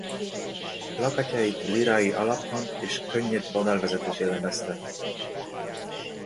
Plakátjait lírai alaphang és könnyed vonalvezetés jellemezte.